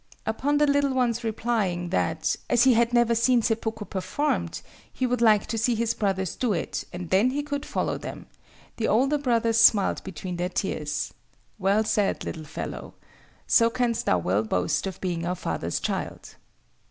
Upon the little one's replying that, as he had never seen seppuku performed, he would like to see his brothers do it and then he could follow them, the older brothers smiled between their tears:—'Well said, little fellow! So canst thou well boast of being our father's child.